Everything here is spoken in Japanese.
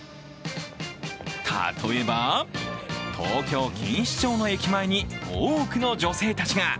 例えば、東京・錦糸町の駅前に多くの女性たちが。